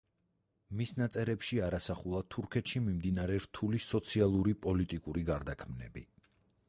მის ნაწერებში არ ასახულა თურქეთში მიმდინარე რთული სოციალური-პოლიტიკური გარდაქმნები.